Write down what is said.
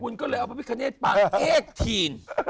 คุณก็เลยเอาไปไปคณีตปังเอ็กทีน